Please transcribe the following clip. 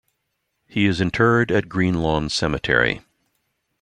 He is interred at Greenlawn Cemetery.